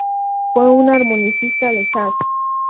Fue un armonicista de jazz.